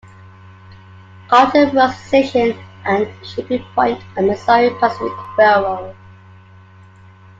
Carlton was a station and shipping point on the Missouri Pacific Railroad.